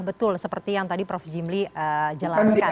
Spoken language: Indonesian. betul seperti yang tadi prof jimli jelaskan